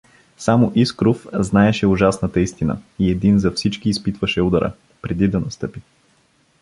Само Искров знаеше ужасната истина и един за всички изпитваше удара, преди да настъпи.